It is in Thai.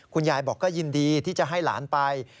คุณยายบอกก็ยินดีที่จะให้หลานไป